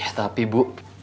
ya tapi bu